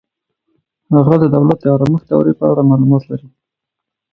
هغه د دولت د آرامښت دورې په اړه معلومات لري.